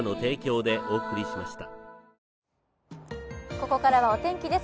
ここからはお天気です